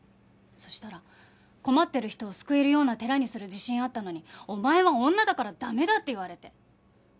そしたら困ってる人を救えるような寺にする自信あったのに「お前は女だから駄目だ」って言われて。